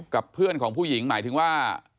กับเพื่อนของผู้หญิงหมายถึงว่า